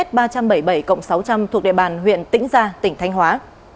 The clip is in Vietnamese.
thuộc địa bàn huyện tĩnh gia tỉnh thanh hóa